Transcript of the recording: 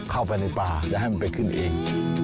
เข้าไปในปลาจะให้มันไปขึ้นเอง